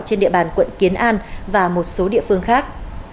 trên địa bàn quận kiến an và một số địa phương khác